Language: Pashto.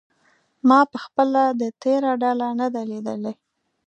ما پخپله د تیراه ډله نه ده لیدلې.